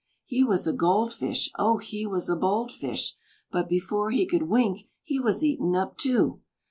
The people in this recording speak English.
He was a gold fish Oh! he was a bold fish But before he could wink he was eaten up too!